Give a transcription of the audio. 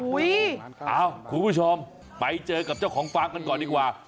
อุ้ยครูผู้ชมไปเจอกับเจ้าของฟังกันก่อนดีกว่า